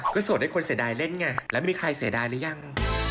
ก็โสดให้คนเสียดายเล่นไงแล้วไม่มีใครเสียดายหรือยัง